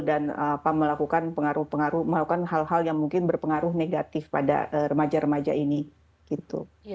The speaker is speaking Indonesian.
dan melakukan hal hal yang mungkin berpengaruh negatif pada remaja remaja ini